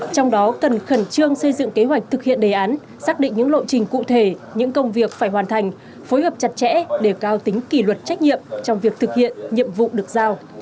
trong đó cần khẩn trương xây dựng kế hoạch thực hiện đề án xác định những lộ trình cụ thể những công việc phải hoàn thành phối hợp chặt chẽ để cao tính kỷ luật trách nhiệm trong việc thực hiện nhiệm vụ được giao